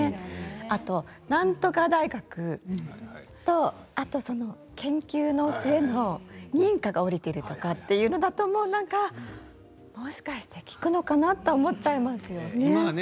あと、なんとか大学とあと研究の末の認可が下りているとかっていうのだとなんか、もしかして効くのかなって思っちゃいますよね。